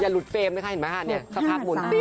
อย่าหลุดเฟรมนะคะเห็นไหมค่ะเนี่ยสัปดาห์ข้างหมุน